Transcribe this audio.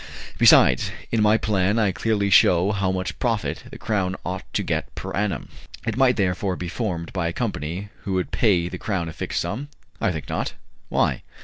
Besides, in my plan I clearly shew how much profit the Crown ought to get per annum." "It might, therefore, be formed by a company who would pay the Crown a fixed sum?" "I think not." "Why?"